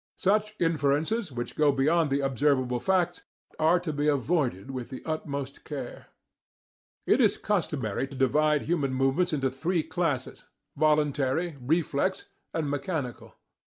Such inferences, which go beyond the observable facts, are to be avoided with the utmost care. It is customary to divide human movements into three classes, voluntary, reflex and mechanical.